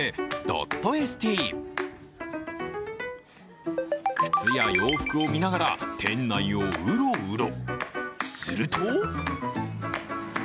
・ドットエスティ靴や洋服を見ながら店内をうろうろ。